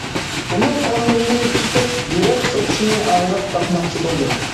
ئۇنىڭ قوللىرىنى تۇتۇپ، يۈرەك سوقۇشىنى ئاڭلاپ باقماقچى بولدۇم.